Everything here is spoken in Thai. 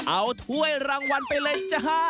เอาถ้วยรางวัลไปเลยจ้า